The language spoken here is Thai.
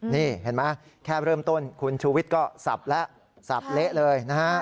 นี่เห็นไหมแค่เริ่มต้นคุณชูวิทย์ก็สับแล้วสับเละเลยนะฮะ